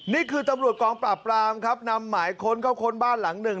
นี่คือตำรวจกองปราบปรามครับนำหมายค้นเข้าค้นบ้านหลังหนึ่ง